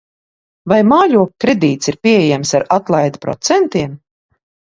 Vai mājokļa kredīts ir pieejams ar atlaidi procentiem?